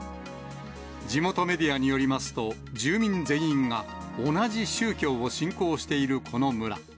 地元メディアによりますと、住民全員が同じ宗教を信仰しているこの村。